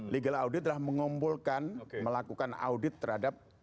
legal audit adalah mengumpulkan melakukan audit terhadap